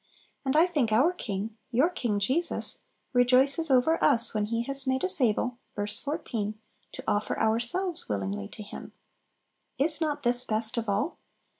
And I think our King, your King Jesus, rejoices over us when He has made us able (ver. 14) to offer ourselves willingly to Him. Is not this best of all?